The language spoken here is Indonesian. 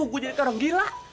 gua jadikan orang gila